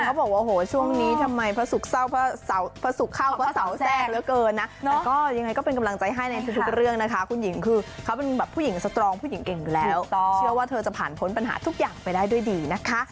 เขาบอกว่าโหช่วงนี้ทำไมพระศุกร์พระศุกร์เข้าพระเสาแทรกเหลือเกินนะแต่ก็ยังไงก็เป็นกำลังใจให้ในทุกเรื่องนะคะคุณหญิงคือเขาเป็นแบบผู้หญิงสตรองผู้หญิงเก่งอยู่แล้วเชื่อว่าเธอจะผ่านพ้นปัญหาทุกอย่างไปได้ด้วยดีนะคะ